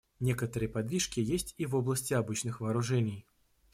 Некоторые подвижки есть и в области обычных вооружений.